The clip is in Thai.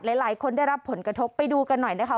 หลายคนได้รับผลกระทบไปดูกันหน่อยนะคะ